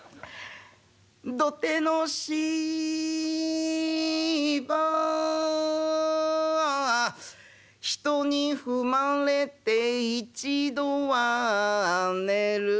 『土手の芝人に踏まれて一度は寝るが